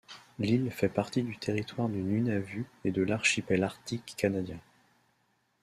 L'île fait partie du territoire du Nunavut et de l'archipel arctique canadien.